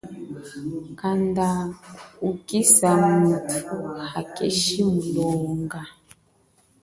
Kanda ukisa muthu hakeshi mulonga.